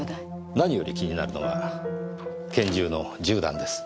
何より気になるのは拳銃の銃弾です。